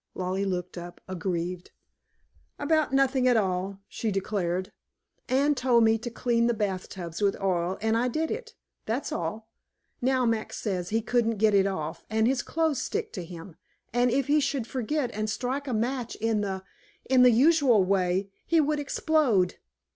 Lollie looked up aggrieved. "About nothing at all," she declared. "Anne told me to clean the bath tubs with oil, and I did it, that's all. Now Max says he couldn't get it off, and his clothes stick to him, and if he should forget and strike a match in the in the usual way, he would explode.